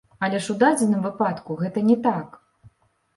Але ж у дадзеным выпадку гэта не так!